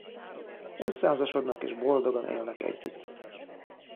Összeházasodnak és boldogan élnek együtt.